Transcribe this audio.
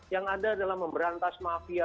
yang ada adalah memberantas mafia